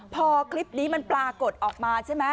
พอคลิปนี้มันปรากฎออกมา